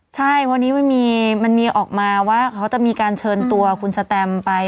ใช่วันนี้มันมีออกมาว่าเขาจะมีการเชิญตัวคุณสแตมไป